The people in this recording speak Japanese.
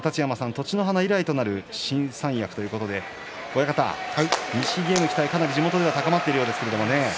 栃乃花以来となる新三役ということで親方錦木への期待、地元でも高まっているようですね。